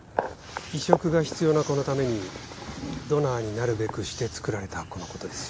移植が必要な子のためにドナーになるべくしてつくられた子のことです。